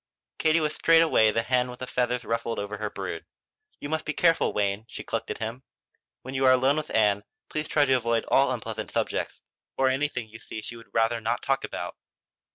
Katie was straightway the hen with feathers ruffled over her brood. "You must be careful, Wayne," she clucked at him. "When you are alone with Ann please try to avoid all unpleasant subjects, or anything you see she would rather not talk about."